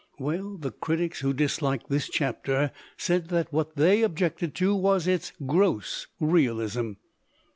Well, the critics who disliked this chapter said that what they objected to was its 'gross realism.'